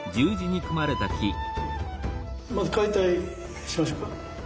まず解体しましょうか。